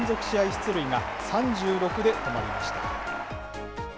出塁が３６で止まりました。